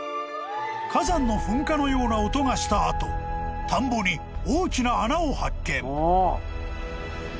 火山の噴火のような音がした後田んぼに大きな穴を発見］